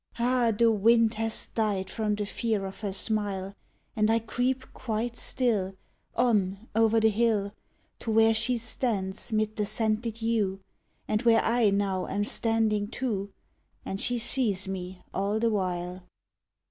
Ah the Wind has died from the Fear of her smile And I creep quite still On over the hill, To where she stands 'mid the scented yew And where I now am standing too, And she sees me all the while.